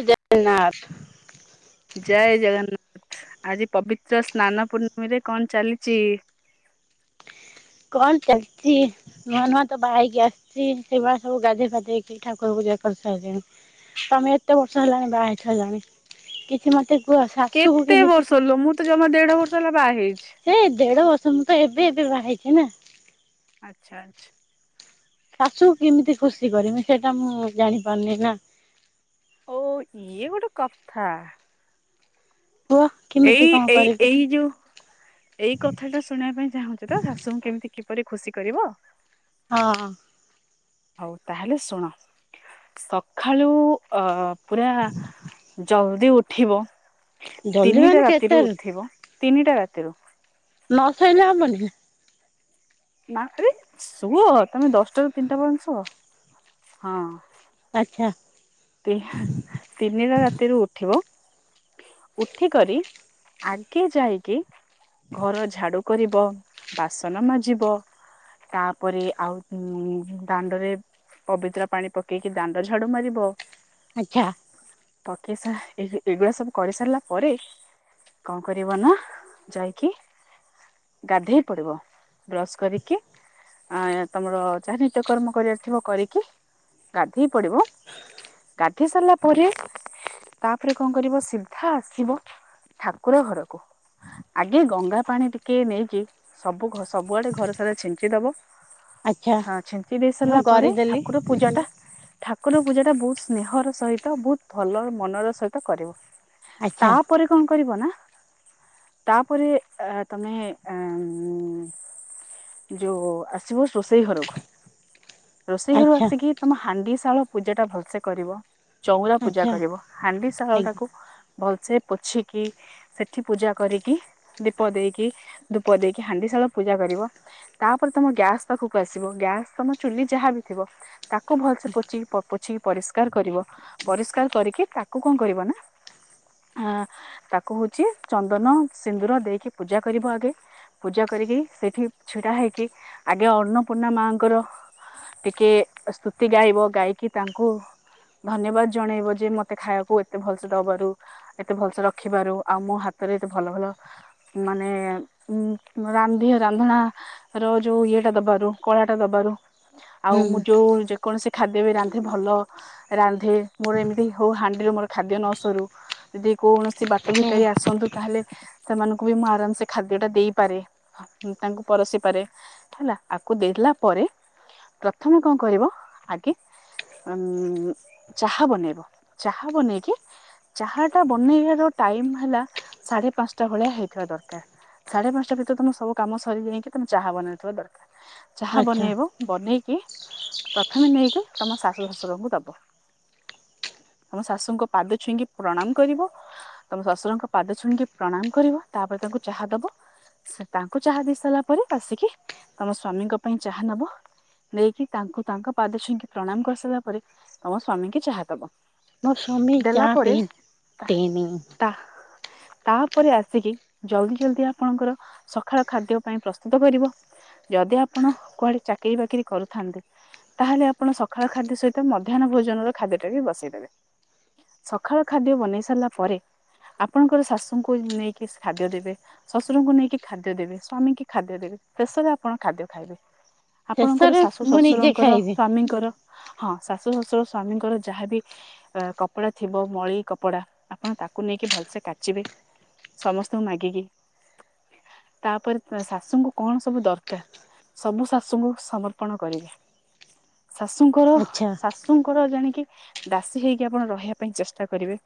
ଜୟ ଜଗନ୍ନାଥ। ଜୟ ଜଗନ୍ନାଥ। ଆଜି ପବିତ୍ର ସ୍ନାନ ପୂର୍ଣ୍ଣମୀରେ କଣ ଚାଲିଛି। କଣ ଚାଲିଛି। ନୂଆ ନୂଆ ତ ବାହା ହେଇକି ଆସିଛି ସେଇ ବା ସବୁ ଗାଧୋଇ ଫାଧେଇଇକି ଠାକୁର ପୂଜା କରିସାରିଲିଣି। ତମେ ଏତେ ବର୍ଷ ହେଲାଣି ବାହା ହେଇସାରିଲାଣି କିଛି ମତେ କୁହ ଶାଶୁକୁ କେତେ କେମିତି? ବର୍ଷ ଲୋ ମୁଁ ତ ଜମା ଦେଢ ବର୍ଷ ହେଲା ବାହା ହେଇଛି। ହେ ଦେଢ ବର୍ଷ ମୁଁ ତ ଏବେ ଏବେ ବାହା ହେଇଛି ନା। ଆଚ୍ଛା ଆଚ୍ଛା। ଶାଶୁ କ କେମିତି ଖୁସି କରିବି ସେଇଟା ମୁଁ ଜାଣି ପାରୁନି ନା। ଓ ଇଏ ଗୋଟେ କଥା। କୁହ। କେମିତି ଏଇ କଣ ଏଇ କରିବି ଏଇ ଯୋଉ ଏଇ କଥାଟା ଶୁଣିବା ପାଇଁ ଚାହୁଁଚୁ ତ ଶାଶୁଙ୍କୁ କେମତି କିପରି ଖୁସି କରିବ। ହଁ ହଁ। ହଉ ତାହେଲେ ଶୁଣ ସଖାଳୁ ଅ- ପୁରା ଜଲ୍ଦି ଉଠିବ। ଜଲ୍ଦି ତିନିଟା ମାନେ କେତେ ରାତିରୁ ଉଥିବ, ତିନିଟା ରାତିରୁ। ନ ସଇଲେ ହବନି। ନାଁ ଫେରେ ସୁଅ ତମେ ଦଶ୍ଟା ରୁ ତିନ୍ଟା ପର୍ଯ୍ୟନ୍ତ ଶୁଅ ହଁ। ଆଚ୍ଛା। ତିନିଟା ରାତିରୁ ଉଠିବ? ଉଠିକରି ଆଗେ ଯାଇକି ଘର ଝାଡୁ କରିବ, ବାସନ ମାଜିବ। ତାପରେ ଆଉ ଉଁ-ଦାଣ୍ଡରେ ପବିତ୍ରା ପାଣି ପକେଇକି ଦାଣ୍ଡ ଝାଡୁ ମାରିବ। ଆଚ୍ଛା। ପକେଇସା ଏ ଏଇଗୁଡା ସବୁ କରି ସାରିଲା ପରେ କଣ କରିବ ନା ଯାଇକି ଗାଧେଇ ପଡିବ, ବ୍ରସ୍ କରିକି ଆ ତମର ଯାହା ନିତ୍ୟକର୍ମ କରିବାର ଥିବ କରିକି ଗାଧେଇ ପଡିବ। ଗାଧେଇ ସାରିଲା ପରେ, ତାପରେ କଣ କରିବ ସିଧା ଆସିବ ଠାକୁର ଘରକୁ। ଆଗେ ଗଙ୍ଗା ପାଣି ଟିକେ ନେଇକି ସବୁ ଘ ସବୁଆଡେ ଘର ସାରା ଛିଞ୍ଚି ଦବ। ଆଚ୍ଛା ହଁ ଛିଞ୍ଚି ଦେଇ ମୁଁ ସାରିଲା ପରେ କରିଦେଲି ଠାକୁର ପୂଜା ଟା ଠାକୁର ପୂଜା ଟା ବହୁତ ସ୍ନେହ ର ସହିତ ବହୁତ ଭଲ ମନର ସହିତ କରିବ ଆଚ୍ଛା ତା ଉପରେ କଁ କରିବ ନା ତାପରେ ତମେ ଯୋଉ ଆସିବ ଶୋଷେଇ ଘରକୁ। ରୋଷେଇ ଘରୁ ଆଚ୍ଛା ଆସିକି ତମ ହାଣ୍ଡି ଶାଳ ପୂଜା ଟା ଭଲ୍ସେ କରିବ। ଚଉରା ପୂଜା ଆଚ୍ଛା କରିବ ହାଣ୍ଡି ଶାଳ ଆଜ୍ଞା ଟାକୁ ଭଲସେ ପୋଛିକି ସେଠି ପୂଜା କରିକି ଦୀପ ଦେଇକି ଧୂପ ଦେଇକି ହାଣ୍ଡି ଶାଳ ପୂଜା କରିବ ତାପରେ ତମ ଗ୍ୟାସ୍ ପାଖକୁ ଆସିବ ଗ୍ୟାସ୍ ତମ ଚୁଲି ଯାହା ବି ଥିବ ତାକୁ ଭଲସେ ପଚ ପୋଛିି ପରିଷ୍କାର କରିବ ପରିଷ୍କାର କରିକି ତାକୁ କଣ କରିବ ନା ଅ ତାକୁ ହଉଛି ଚନ୍ଦନ ସିନ୍ଦୁର ଦେଇକି ପୂଜା କରିବ ଆଗେ ପୂଜା କରିକି ସେଇଠି ଛିଡା ହେଇକି ଆଗେ ଅନ୍ନପୂର୍ଣ୍ଣା ମାଙ୍କର। ଟିକେ ସ୍ତୁତି ଗାଇବ ଗାଇକି ତାଙ୍କୁ ଧନ୍ୟବାଦ ଜଣେଇବ ଯେ ମତେ ଖାଇବାକୁ ଏତେ ଭଲସେ ଦବାରୁ ଏତେ ଭଲସ ରଖିବାରୁ ଆଉ ମୋ ହାତରେ ଏତେ ଭଲ ଭଲ ମାନେ ଉ ରାନ୍ଧିଅ ରାନ୍ଧଣା ର ଯୋଉ ଇଏଟା ଦବାରୁ କଳାଟା ଦବାରୁ ଆଉ ମୁଁ ହୁଁ ଯୋଉ ଯେକୌଣସି ଖାଦ୍ୟ ବି ରାନ୍ଧେ ଭଲ ରାନ୍ଧେ ମୋର ଏମିତି ହଉ ହାଣ୍ଡିରୁ ମୋର ଖାଦ୍ୟ ନସରୁ ଯଦି କୌଣସି ବାଟ ହୁଁ ଭିକାରୀ ଆସନ୍ତୁ। ତାହେଲେ ସେମାନଙ୍କୁ ବି ମୁଁ ଆରାମ ସେ ଖାଦ୍ୟ ଟା ଦେଇପାରେ। ତାଙ୍କୁ ପରସିିପାରେ ହେଲା ଆକୁ ଦେଲା ପରେ ପ୍ରଥମେ କଣ କରିବ? ଉ ଚାହା ବନେଇବ ଚାହା ବନେଇକି ଚାହା ଟା ବନେଇବାର ଟାଇମ ହେଲା ସାଢେ ପାଞ୍ଚଟା ଭଳିଆ ହେଇଥିବା ଦରକାର। ସାଢେ ପାଞ୍ଚଟା ଭିତରେ ତମେ ସବୁ କାମ ସରିଯାଇକି ତମେ ଚାହା ବନେଇଥିବା ଦରକାର। ଯାହା ଆଚ୍ଛା ବନେଇବ ବନେଇକି ପ୍ରଥମେ ନେଇକି ତମ ଶାଶୁ ଶଶୁରଙ୍କୁ ଦବ। ଆମ ଶାଶୁଙ୍କ ପାଦ ଛୁଇଁକି ପ୍ରଣାମ କରିବ। ତମ ଶଶୁରଙ୍କ ପାଦ ଛୁଣିକି ପ୍ରଣାମ କରିବ ତାପରେ ତାଙ୍କୁ ଚାହା ଦବ। ସେ ତାଙ୍କୁ ଚାହା ଦେଇ ସାରିଲା ପରେ ଆସିକି ତମ ସ୍ଵାମୀଙ୍କ ପାଇଁ ଚାହା ନବ। ନେଇକି ତାଙ୍କୁ ତାଙ୍କ ପାଦ ଛୁଇଁକି ପ୍ରଣାମ କରିସାରିଲା ପରେ ତମ ସ୍ଵାମୀ କି ଚାହା ଦବ। ମୋ ସ୍ୱାମୀ ଯା ଦେଲା ପରେ ପି ପେଇନି। [unintelligible] ତାପରେ ଆସିକି ଜଲଦି ଜଲଦି ଆପଣଙ୍କର ସକାଳ ଖାଦ୍ୟ ପାଇଁ ପ୍ରସ୍ତୁତ କରିବ। ଯଦି ଆପଣ କୁଆଡେ ଚାକିରିୀ ବାକିରି କରୁଥାନ୍ତି ତାହେଲେ ଆପଣ ସକାଳ ଖାଦ୍ୟ ସହିତ ମଧ୍ୟାହ୍ନ ଭୋଜନର ଖାଦ୍ୟ ଟାକ ବସେଇଦେବେ। ସକାଳ ଖାଦ୍ୟ ବନେଇ ସାରିଲା ପରେ ଆପଣଙ୍କର ଶାଶୁଙ୍କୁ ନେଇକି ଖାଦ୍ୟ ଦେବେ। ଶଶୁରଙ୍କୁ ନେଇକି ଖାଦ୍ୟ ଦେବେ। ସ୍ଵାମୀ କି ଖାଦ୍ୟ ଦେବେ। ଶେଷରେ ଆପଣ ଖାଦ୍ୟ ଖାଇବେ। ଆପଣଙ୍କର ଶେଷରେ ଶାଶୁ ମୁଁ ନିଜେ ଶ୍ୱଶୁରଙ୍କର ଖାଇବି। ସ୍ଵାମୀଙ୍କର ହଁ ଶାଶୁ ଶ୍ୱଶୁର ସ୍ଵାମୀଙ୍କର ଯାହାବି କପଡା ଥିବ ମଳି କପଡା ଆପଣ ତାକୁ ନେଇକି ଭଲସେ କାଚିବେ। ସମସ୍ତଙ୍କୁ ମାଗିକି ତାପରେ ଶାଶୁଙ୍କୁ କଣ ସବୁ ଦରକାର? ସବୁ ଶାଶୁଙ୍କୁ ସମର୍ପଣ କରିବେ। ଶାଶୁଙ୍କର ଆଚ୍ଛା ଶାଶ ଶଶୁଙ୍କର ଜାଣିକି ଦାସୀ ହେଇକି ଆପଣ ରହିବା ପାଇଁ ଚେଷ୍ଟା କରିବେ।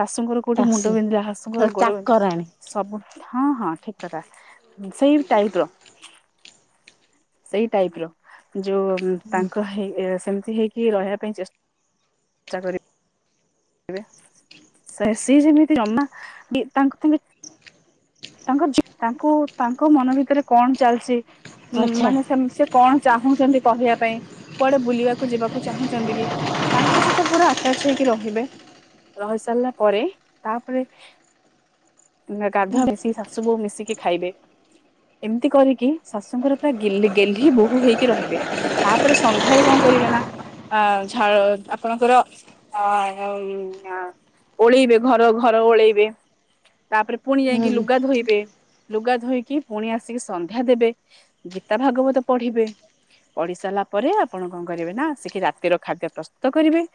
ଶାଶୁଙ୍କର କୋଉଠି ମୁଣ୍ଡ ଦାସୀ ବିନ୍ଧା ଶାଶୁଙ୍କର ଗୋଡ ବିନ୍ଧା ଚାକରାଣୀ ସବୁ ହଁ ହଁ ଠିକ କଥା। ସେଇ ଟାଇପର। ସେଇ ଟାଇପ୍ର ଯୋଉ ତାଙ୍କ ହେଇ ସେମିତି ହେଇକି ରହିବା ପାଇଁ ଚେ ଚେଷ୍ଟା କରିବେ। ସିଏ ଯେମିତି ଜମା ବି ତାଙ୍କ ସାଙ୍ଗେ ତାଙ୍କ ଜି ତାଙ୍କୁ ତାଙ୍କ ମନ ଭିତରେ କଣ ଚାଲିଛି? ଆଚ୍ଛା ମାନେ ସେ କଣ ଚାହୁଁଛନ୍ତି କହିବା ପାଇଁ? କୁଆଡେ ବୁଲିବାକୁ ଯିବାକୁ ଚାହୁଁଛନ୍ତି କି? ତାଙ୍କ ସହିତ ପୁରା ଆଟାଚ ହେଇକି ରହିବେ। ରହି ସାରିଲା ପରେ ତାପରେ ହୁଁ ଗାଧୁଆ ମି ସେ ଶାଶୁ ବୋହୁ ମିଶିକି ଖାଇବେ। ଏମିତି କରିକି ଶାଶୁଙ୍କର ପୁରା ଗେଲ୍ଲୀ ଗେଲ୍ଲୀ ବୋହୂ ହେଇକି ରହିବେ। ତାପରେ ସନ୍ଧ୍ୟାରେ କଣ କରିବେ ନା ଅ ଝାଳ ଆପଣଙ୍କର ହଁ ଉ ଓଳେଇବେ ଘର ଘର ଓଳେଇବେ। ତାପରେ ପୁଣି ଯାଇକି ହୁଁ ଲୁଗା ଧୋଇବେ। ଲୁଗା ଧୋଇକି ପୁଣି ଆସିକି ସନ୍ଧ୍ୟା ଦେବେ। ଗୀତା ଭାଗବତ ପଢିବେ। ପଢି ସାରିଲା ପରେ ଆପଣ କଣ କରିବେ ନା ଆସିକି ରାତିର ଖାଦ୍ୟ ପ୍ରସ୍ତୁତ କରିବେ।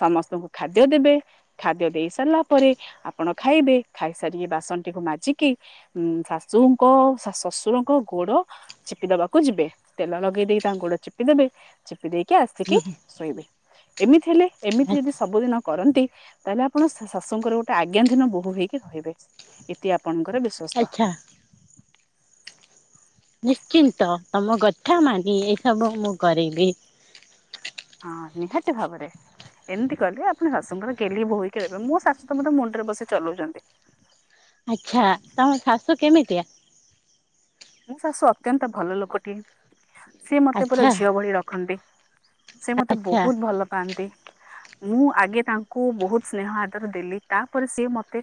ସମସ୍ତଙ୍କୁ ଖାଦ୍ୟ ଦେବେ। ଖାଦ୍ୟ ଦେଇ ସାରିଲା ପରେ ଆପଣ ଖାଇବେ। ଖାଇସାରିକି ବାସନଟିକୁ ମାଜିକି କି ଉଁ ଶାଶୁଙ୍କ ଶଶୁରଙ୍କ ଗୋଡ ଚିପି ଦବାକୁ ଯିବେ। ତେଲ ଲଗେଇ ଦେଇକି ତାଙ୍କ ଗୋଡ ଚିପି ଦେବେ। ଚିପି ଦେଇକି ଆସିକି ଶୋଇବେ ଏମିତି ହେଲେ ଏମିତି ଯଦି ସବୁଦିନ କରନ୍ତି ତାହେଲେ ଆପଣ ଶାଶୁଙ୍କର ଗୋଟେ ଆଜ୍ଞାଧିନ ବୋହୁ ହେଇକି ରହିବେ। ଏଇତି ଆପଣଙ୍କର ବିଷ ଆଚ୍ଛା। ନିଶ୍ଚିନ୍ତ ତମ ଗଥା ମାନି ଏଇସବୁ ମୁଁ କରିବି। ହଁ ନିହାତି ଭାବରେ। ଏମିତି କହିଲେ ଆପଣ ଶାଶୁଙ୍କର ଗେଲ୍ଲୀ ବୋହୁ ହେଇକି ରହିବେ। ମୋ ଶାଶୁ ତ ମତେ ମୁଣ୍ଡରେ ବସି ଚଲଉଛନ୍ତି। ଆଚ୍ଛା ତମ ଶାଶୁ କେମିତିଆ? ମୋ ଶାଶୁ ଅତ୍ୟନ୍ତ ଭଲ ଲୋକଟିଏ। ସିଏ ମତେ ପୁରା ଆଚ୍ଛା ଝିଅ ଭଳି ରଖନ୍ତି। ସେ ମତେ ଆଚ୍ଛା ବହୁତ ଭଲ ପାଆନ୍ତି। ମୁଁ ଆଗେ ତାଙ୍କୁ ବହୁତ ସ୍ନେହ ଆଦର ଦେଲି। ତାପରେ ସିଏ ମତେ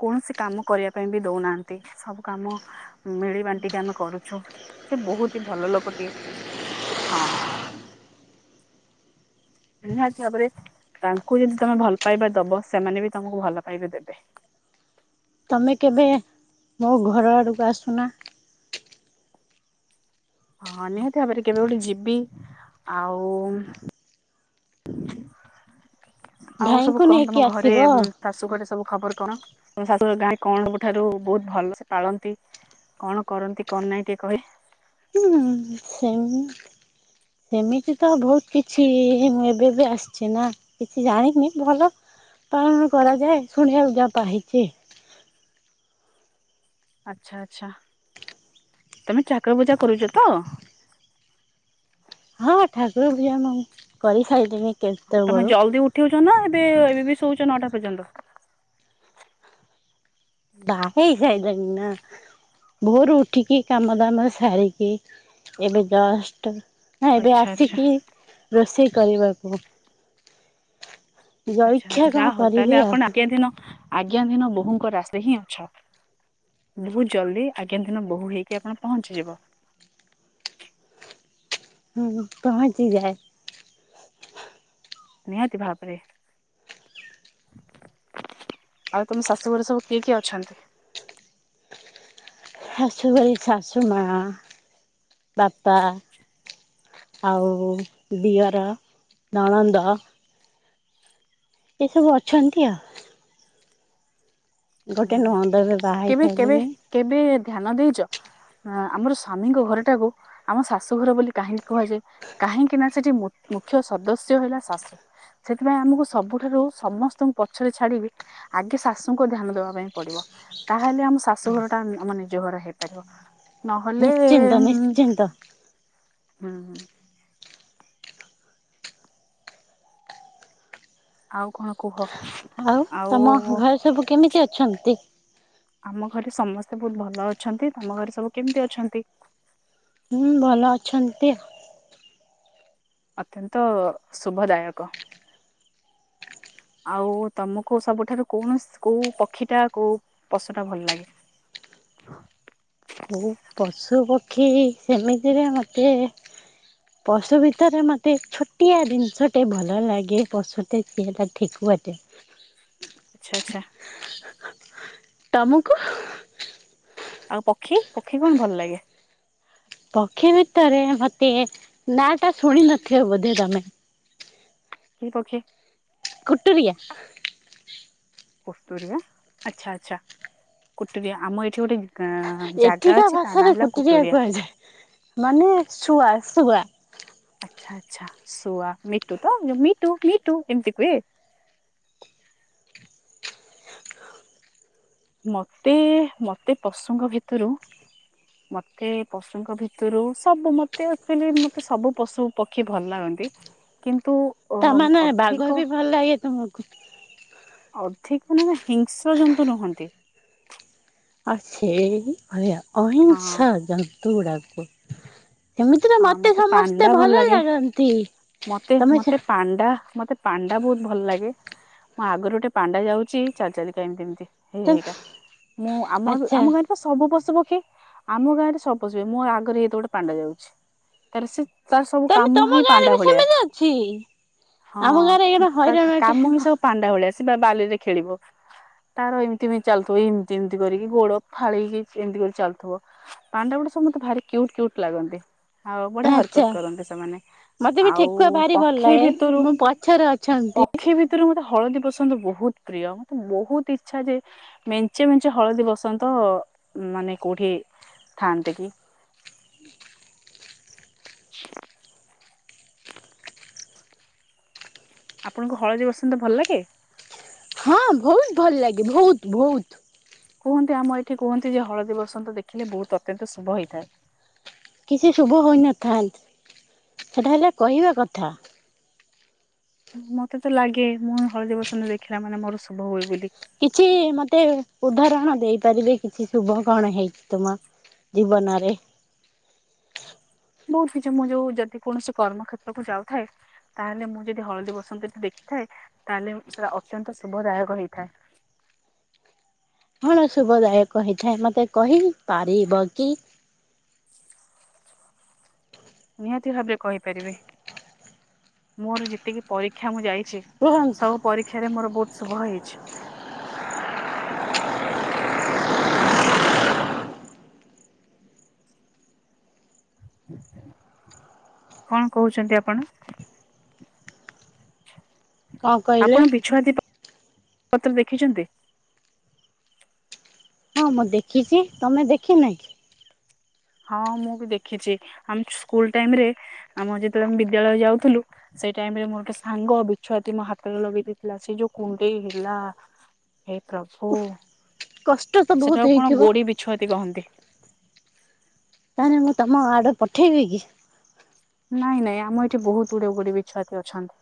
କୌଣସି କାମ କରିବା ପାଇଁ ବି ଦଉ ନାହାନ୍ତି। ସବୁ କାମ ମିଳି ବାନ ଟିକେ ଆମେ କରୁଛୁ। ସେ ବହୁତ ହି ଭଲ ଲୋକ ଟିକେ ହଁ। ନିହାତି ଭାବରେ ତାଙ୍କୁ ଯଦି ତମେ ଭଲ ପାଇବା ଦବ। ସେମାନେ ବି ତମକୁ ଭଲ ପାଇବା ଦେବେ। ତମେ କେବେ ମୋ ଘର ଆଡକୁ ଆସୁନା? ହଁ ନିହାତି ଭାବରେ କେବେ ଗୋଟେ ଯିବି। ଆଉ ଆଉ ସବୁ ଭାଇଙ୍କୁ କଣ ନେଇକି ତମ ଘରେ ଆସିବ। ଉଁ ଶାଶୁ ଘରେ ସବୁ ଖବର କଣ? ତମ ଶାଶୁ ଘର ଗାଁ ରେ କଣ ସବୁଠାରୁ ବହୁତ ଭଲସେ ପାଳନ୍ତି? କଣ କରନ୍ତି କଣ ନାଇଁ ଟିକେ କହିବେ? ସେମ ସେମିତି ତ ବହୁତ କିଛି ମୁଁ ଏବେ ବି ଆସିଛି ନା। କିଛି ଜାଣିନି ଭଲ ପାଳନ କରାଯାଏ ଶୁଣିବାକୁ ଯା ପାଇଛି। ଆଛା ଆଚ୍ଛା ତମେ ଠାକୁର ପୂଜା କରୁଛ ତ? ହଁ ଠାକୁର ପୂଜା ମୁ କରି ସାରିଲେଇ। ତମେ ଜଲ୍ଦି ଉଠଉଛ ନା ଏବେ ଏବେ ବି ଶୋଉଛ ନଟା ପର୍ଯ୍ୟନ୍ତ? ବାହା ହେଇସାଇଣି ନା। ଭୋରୁ ଉଠିକି କାମ ଦାମରେ ସାରିକି ଏବେ ଜଷ୍ଟ ନା ଏବେ ଆଚ୍ଛା ଆଚ୍ଛା। ଆସିକି ରୋଷେଇ କରିବାକୁ। ଆଚ୍ଛା ଜଳଖିଆ ଆଚ୍ଛା ଯାହା କଣ ହଉ ତାହେଲେ କରିବି ଆଉ ଆପଣ ଆଜ୍ଞା ଦିନ ଆଜ୍ଞା ଦିନ ବୋହୂଙ୍କ ରାଶେ ହିଁ ଅଛ। ବହୁତ ଜଲ୍ଦି ଆଜ୍ଞାଧିନ ବୋହୁ ହେଇକି ଆପଣ ପହଞ୍ଚିଯିବ। ହୁଁ ପହଞ୍ଚି ଯାଏ। ନିହାତି ଭାବରେ। ଆଉ ତମ ଶାଶୁ ଘର ସବୁ କିଏ କିଏ ଅଛନ୍ତି? ଶାଶୁ ଭାଇ ଶାଶୁ ମା ବାପା ଆଉ ଦିଅର ନଣନ୍ଦ ଏସବୁ ଅଛନ୍ତି ଆଉ ଗୋଟେ ହୁଁ ନତନ୍ଦ ଏବେ କେବେ କେବେ ବାହାହେଇସାରିଲେଣି କେବେ ଧ୍ୟାନ ଦେଇଛ? ଆମର ସ୍ଵାମୀଙ୍କ ଘର ଟାକୁ ଆମ ଶାଶୁଘର ବୋଲି କାହିଁକି କୁହାଯାଏ? କାହିଁକି ନା ସେଠି ମୁଖ୍ୟ ସଦ ସଦସ୍ୟ ହେଲା ଶାଶୁ। ସେଥିପାଇଁ ଆମକୁ ସବୁଠାରୁ ସମସ୍ତଙ୍କୁ ପଛରେ ଛାଡ଼ିକି ଆଗେ ଶାଶୁଙ୍କ ଧ୍ୟାନ ଦେବା। ପଡିବ ତାହେଲେ ଆମ ଶାଶୁ ଘର ଟା ଆମ ନିଜ ଘର ହେଇପାରିବ। ନିଶ୍ଚିନ୍ତ ନହଲେ ନିଶ୍ଚିନ୍ତ ହୁଁ ହୁଁ ଆଉ କଣ କୁହ? ଆଉ ତମ ଘରେ ସବୁ କେମିତି ଅଛନ୍ତି? ଆମ ଘରେ ସମସ୍ତେ ବହୁତ ଭଲ ଅଛନ୍ତି ତମ ଘରେ ସବୁ କେମିତି ଅଛନ୍ତି? ହୁଁ ଭଲ ଅଛନ୍ତି। ଅତ୍ୟନ୍ତ ଶୁଭଦାୟକ। ଆଉ ତମକୁ ସବୁଠାରୁ କୌଣ କୋଉ ପକ୍ଷୀ ଟା କୋଉ ପଶୁ ଟା ଭଲ ଲାଗେ? କୋଉ ପଶୁ ପକ୍ଷୀ ସେମିତିରେ ମତେ ପଶୁ ଭିତରେ ମତେ ଛୋଟିଆ ଜିନିଷଟେ ଭଲ ଲାଗେ ପଶୁଟେ ସେଇଟା ଠିକୁଆଟେ। ଆଚ୍ଛା ଆଚ୍ଛା। ତମୁକୁ? ଆଉ ପକ୍ଷୀ ପକ୍ଷୀ କଣ ଭଲ ଲାଗେ? ପକ୍ଷୀ ଭିତରେ ମତେ ନା ଟା ଶୁଣି ନଥିବ ବୋଧେ ତମେ କି ପକ୍ଷୀ? କୁଟୁରିଆ। କୁଟୁରିଆ ଆଚ୍ଛା ଆଚ୍ଛା କଟୁରିଆ ଆମ ଏଠି ଗୋଟେ ଗାଁ ଜାଗା ଏଠିକା ଅଛି ତା ନାଁ ଭାଷାରେ ହେଲା କୋଟୁରିଆ କୁଟୁରିଆ କୁହାଯାଏ ମାନେ ଶୁଆ ଶୁଆ। ଆଚ୍ଛା ଆଚ୍ଛା ଶୁଆ ମିଟୁ ତ ଯୋଉ ମିଟୁ ମିଟୁ ଏମିତି କୁହେ। ମତେ ମତେ ପଶୁଙ୍କ ଭିତରୁ ମତେ ପଶୁଙ୍କ ଭିତରୁ ସବୁ ମତେ ଆକଚୁଏଲି ମତେ ସବୁ ପଶୁ ପକ୍ଷୀ ଭଲ ଲାଗନ୍ତି କିନ୍ତୁ ଅ ତା ମାନେ ବାଘ ଅଧିକ ବି ଭଲ ଲାଗେ ତମକୁ? ଅଧିକ ନ ହିଂସ୍ର ଜନ୍ତୁ ନୁହଁନ୍ତି। ଆଉ ସେଇ ଭଳିଆ ହଁ ଅହିଂଶା ଜନ୍ତୁ ଗୁଡ଼ାକୁ। ସେମିତି ରେ ହଁ ମତେ ପାଣ୍ଡା ସମସ୍ତେ ଭଲ ଲାଗେ ଲାଗନ୍ତି ମତେ ତମେ ମତେ ପାଣ୍ଡା ମତେ ପାଣ୍ଡା ବହୁତ ଭଲ ଲାଗେ ମୋ ଆଗରେ ଗୋଟେ ପାଣ୍ଡା ଯାଉଚି ଚାଲିଚାଲିକା ଏମତି ଏମିତି। ହେଇ ତମେ ହେଇକରି ମୁଁ ଆମ ଆଚ୍ଛା ଆମ ଗ ସବୁ ପଶୁ ପକ୍ଷୀ ଆମ ଗାଁ ରେ ସବୁ ପଶୁ ପକ୍ଷୀ। ମୋ ଆଗରେ ଏଇତ ଗୋଟେ ପାଣ୍ଡା ଯାଉଚି। ତାର ସେ ତାର ସବୁ ତମେ କାମ ହିଁ ତମ ଗାଁରେ ପାଣ୍ଡା ବି ଭଳିଆ। ସେମିତି ଅଛି। ହଁ ଆମ ଗାଁରେ ଏଇନା ତା ହଇରାଣଟେ କାମ ହିଁ ସବୁ ପାଣ୍ଡା ଭଳିଆ ଆସିବ ବାଲିରେ ଖେଳିବ। ତାର ଏମିତି ଏମିତି ଚାଲୁଥିବ ଏମିତି ଏମିତି କରିକି ଗୋଡ ଫାଳେଇକି ଏମତି କରି ଚାଲୁଥିବ। ପାଣ୍ଡ ଗୁଡା ସମସ୍ତେ ଭାରି କ୍ୟୁଟ କ୍ୟୁଟ ଲାଗନ୍ତି ଆଉ ବଢିଆ ଆଚ୍ଛା ହରକତ କରନ୍ତି ସେମାନେ। ମତେ ବି ଆଉ ଠେକୁଆ ଭାରି ଭଲ ପକ୍ଷୀ ଲାଗେ ଭିତରୁ ମୁଁ ପଛରେ ଅଛନ୍ତି। ପକ୍ଷୀ ଭିତରୁ ମତେ ହଳଦୀବସନ୍ତ ବହୁତ ପ୍ରିୟ। ମତେ ବହୁତ ଇଚ୍ଛା ଯେ ମେଞ୍ଚେ ମେଞ୍ଚେ ହଳଦୀ ବସନ୍ତ ମାନେ କୋଉଠି ଥାନ୍ତେ କି? [inaudible] ଆପଣଙ୍କୁ ହଳଦୀ ବସନ୍ତ ଭଲ ଲାଗେ? ହଁ ବହୁତ ଭଲ ଲାଗେ ବହୁତ ବହୁତ। କୁହନ୍ତି ଆମ ଏଇଠି କୁହନ୍ତି ଯେ ହଳଦୀ ବସନ୍ତ ଦେଖିଲେ ବହୁତ ଅତ୍ୟନ୍ତ ଶୁଭ ହେଇଥାଏ। କିଛି ଶୁଭ ହୋଇନଥାଏ ସେଟା ହେଲା କହିବା କଥା। ମତେ ତ ଲାଗେ ମୁଁ ହଳଦୀ ବସନ୍ତ ଦେଖିଲା ମାନେ ମୋର ଶୁଭ ହୁଏ ବୋଲି। କିଛି ମତେ ଉଦାହରଣ ଦେଇପାରିବେ କିଛି ଶୁଭ କଣ ହେଇଚି ତୁମର? ଜୀବନରେ ବହୁତ କିଛି ମୁଁ ଯୋଉ ଯଦି କୌଣସି କର୍ମକ୍ଷେତ୍ରକୁୁ ଯାଉଥାଏ ତାହେଲେ ମୁଁ ଯଦି ହଳଦୀ ବସନ୍ତ ଦେଖିଥାଏ ତାହେଲେ ସେଇଟା ଅତ୍ୟନ୍ତ ଶୁଭଦାୟକ ହେଇଥାଏ। କଣ ଶୁଭଦାୟକ ହେଇଥାଏ ମତେ କହି ପାରିବ କି? ନିହାତି ଭାବେ କହିପାରିବି, ମୋର ଯେତିକି ପରୀକ୍ଷା ମୁଁ ଯାଇଚି କୁହନ୍ତୁ ସବୁ ପରୀକ୍ଷାରେ ମୋର ବହୁତ ଶୁଭ ହେଇଚି। କଣ କହୁଚନ୍ତି ଆପଣ? କଣ କହିଲେ? ଆପଣ ବିଛୁଆତିପ ପତ୍ର ଦେଖିଚନ୍ତି? ହଁ ମୁଁ ଦେଖିଚି ତମେ ଦେଖିନ କି? ହଁ ମୁଁ ବି ଦେଖିଚି ଆମ ସ୍କୁଲ ଟାଇମ ରେ ଆମ ଯେତେବେଳେ ଆମେ ବିଦ୍ୟାଳୟ ଯାଉଥିଲୁ ସେଇ ଟାଇମ ରେ ମୋର ଗୋଟେ ସାଙ୍ଗ ବିଛୁଆତି ମୋ ହାତରେ ଲଗେଇ ଦେଇଥିଲା ସେଇ ଯୋଉ କୁଣ୍ଡେଇ ହେଲା। ଏ ପ୍ରଭୁ କଷ୍ଟ ତ ବହୁତ ସେଟାକୁ କଣ ହେଇଥିବ ଗୋଡି ବିଛୁଆତି କହନ୍ତି। ତାହେଲେ ମୁଁ ତମ ଆଡ ପଠେଇବି କି? ନାଇଁ ନାଇଁ ଆମ ଏଠି ବହୁତ ଗୁଡେଏ ଗୋଡି ବିଛୁଆତୀ ଅଛନ୍ତି।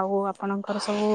ଆଉ ଆପଣଙ୍କର ସବୁ